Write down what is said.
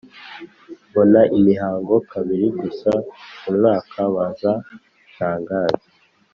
Mbona imihango kabiri gusa mu mwaka-Baza Shangazi